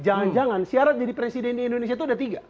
jangan jangan syarat jadi presiden di indonesia itu ada tiga